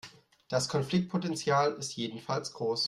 Das Konfliktpotenzial ist jedenfalls groß.